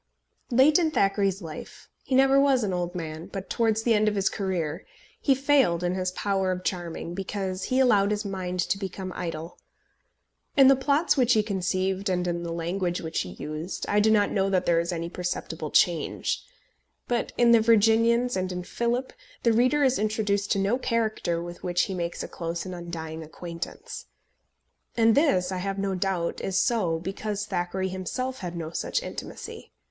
Late in Thackeray's life, he never was an old man, but towards the end of his career, he failed in his power of charming, because he allowed his mind to become idle. In the plots which he conceived, and in the language which he used, I do not know that there is any perceptible change; but in The Virginians and in Philip the reader is introduced to no character with which he makes a close and undying acquaintance. And this, I have no doubt, is so because Thackeray himself had no such intimacy.